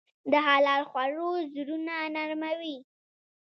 د حلال خوړو زړونه نرموي.